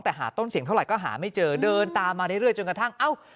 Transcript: แต่หาต้นเสียงเท่าไหร่ก็หาไม่เจอเดินตามมาเรื่อยจนกระทั่งเอ้า